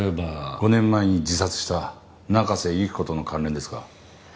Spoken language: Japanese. ５年前に自殺した中瀬由紀子との関連ですか。